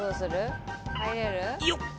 よっ！